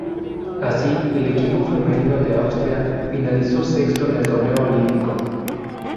Así, el equipo femenino de Austria finalizó sexto en el torneo olímpico.